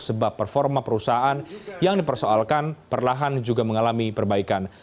sebab performa perusahaan yang dipersoalkan perlahan juga mengalami perbaikan